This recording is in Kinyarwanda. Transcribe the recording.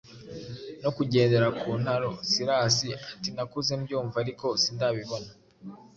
no kugendera ku ntaro? Silas ati’’ nakuze mbyumva ariko sindabibona,